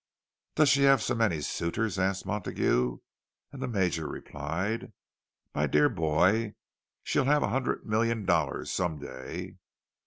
"Does she have so many suitors?" asked Montague; and the Major replied, "My dear boy—she'll have a hundred million dollars some day!"